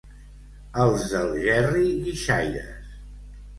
Els d'Algerri, guixaires.